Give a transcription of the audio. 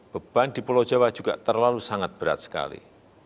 beban di pulau jawa juga terlalu sangat berat sekali